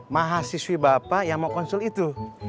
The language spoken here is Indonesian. mahasiswi bapak yang mau konsul itu